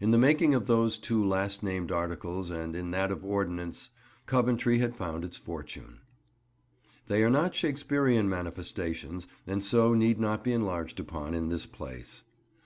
In the making of those two last named articles and in that of ordnance, Coventry has found its fortune. They are not Shakespearean manifestations, and so need not be enlarged upon in this place.